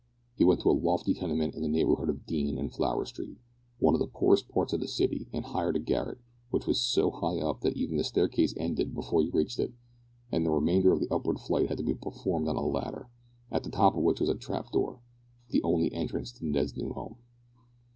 He went to a lofty tenement in the neighbourhood of Dean and Flower Street, one of the poorest parts of the city, and hired a garret, which was so high up that even the staircase ended before you reached it, and the remainder of the upward flight had to be performed on a ladder, at the top of which was a trap door, the only entrance to Ned's new home.